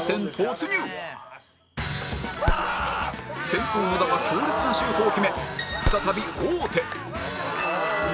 先攻野田が強烈なシュートを決め再び王手